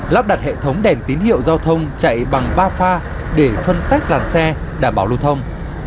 lắp đặt hệ thống đèn tín hiệu giao thông chạy bằng ba pha để phân tách làn xe đảm bảo lưu thông